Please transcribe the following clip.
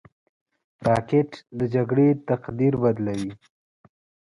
راکټ د جګړې تقدیر بدلوي